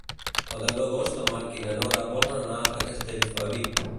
El deu d'agost en Marc i na Noa volen anar a Castellfabib.